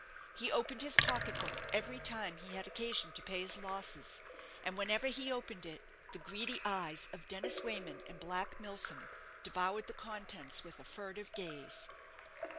He opened his pocket book every time he had occasion to pay his losses, and whenever he opened it the greedy eyes of Dennis Wayman and Black Milsom devoured the contents with a furtive gaze.